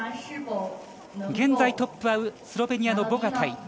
現在トップはスロベニアのボガタイ。